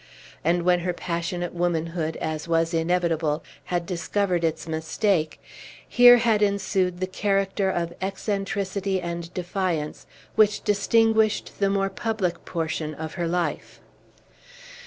And when her passionate womanhood, as was inevitable, had discovered its mistake, here had ensued the character of eccentricity and defiance which distinguished the more public portion of her life.